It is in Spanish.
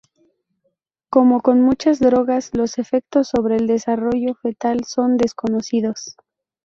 Como con muchas drogas, los efectos sobre el desarrollo fetal son desconocidos.